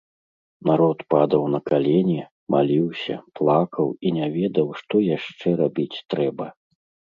Народ падаў на калені, маліўся, плакаў і не ведаў, што яшчэ рабіць трэба.